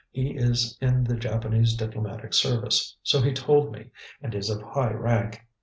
"He is in the Japanese Diplomatic Service, so he told me, and is of high rank.